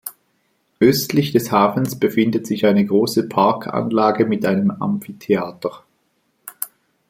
Östlich des Hafens befindet sich eine große Parkanlage mit einem Amphitheater.